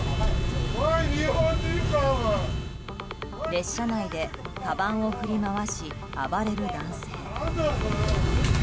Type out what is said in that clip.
列車内でかばんを振り回し、暴れる男性。